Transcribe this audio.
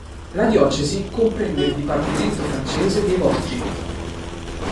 La diocesi comprende il dipartimento francese dei Vosgi.